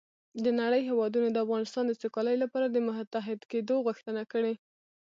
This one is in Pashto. د نړۍ هېوادونو د افغانستان د سوکالۍ لپاره د متحد کېدو غوښتنه کړې